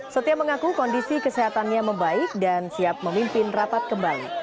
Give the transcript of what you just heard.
setia mengaku kondisi kesehatannya membaik dan siap memimpin rapat kembali